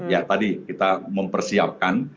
ya tadi kita mempersiapkan